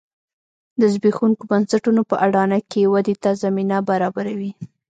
د زبېښونکو بنسټونو په اډانه کې ودې ته زمینه برابروي